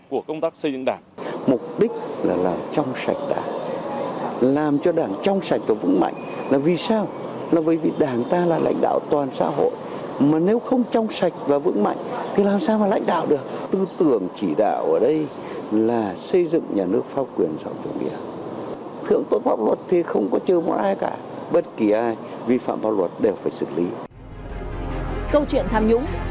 câu chuyện tham nhũng không chỉ ở việt nam